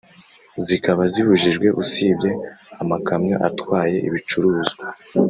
zikaba zibujijwe usibye amakamyo atwaye ibicuruzwa.